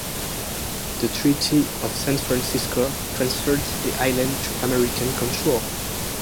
The Treaty of San Francisco transferred the island to American control.